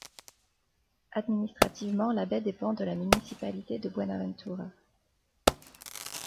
Administrativement, la baie dépend de la municipalité de Buenaventura.